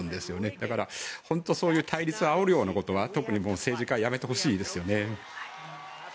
だから、本当にそういう対立をあおることは特に政治家はやめてほしいですよね。